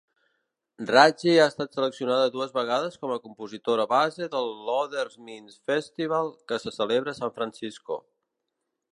Ratkje ha estat seleccionada dues vegades com a compositora base de l'Other Minds Festival, que se celebra a San Francisco.